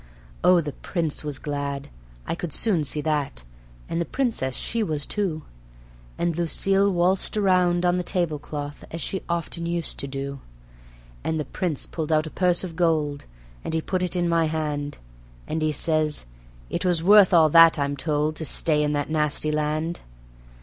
Oh, the Prince was glad, I could soon see that, and the Princess she was too; And Lucille waltzed round on the tablecloth as she often used to do. And the Prince pulled out a purse of gold, and he put it in my hand; And he says: "It was worth all that, I'm told, to stay in that nasty land."